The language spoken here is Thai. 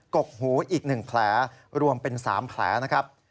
กกหูอีก๑แผลรวมเป็น๓แผลนะครับ